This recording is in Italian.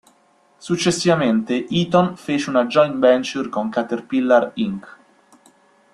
Successivamente Eaton fece una joint venture con Caterpillar Inc.